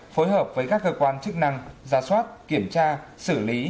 phối hợp với các cơ quan chức năng ra soát kiểm tra xử lý